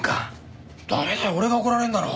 駄目だよ俺が怒られんだろ。